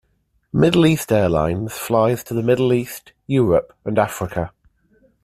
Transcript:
Middle East Airlines flies to the Middle East, Europe, and Africa.